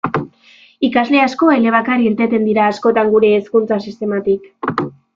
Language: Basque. Ikasle asko elebakar irteten dira askotan gure hezkuntza sistematik.